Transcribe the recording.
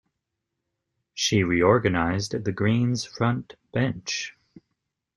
She reorganised the Green's front bench.